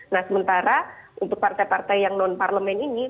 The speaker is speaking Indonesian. nah sementara untuk partai partai yang non parlemen ini